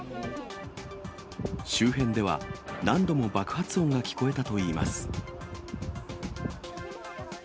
周辺では、何度も爆発音が聞こえたといいます。